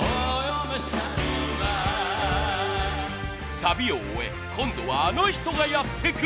サビを終え今度はあの人がやって来る！